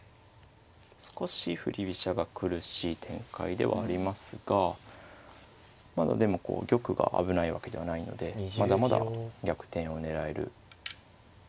少し振り飛車が苦しい展開ではありますがまだでも玉が危ないわけではないのでまだまだ逆転を狙えるくらいの形勢ですね。